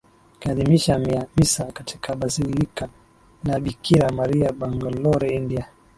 akiadhimisha Misa katika Basilika la Bikira Maria Bangalore India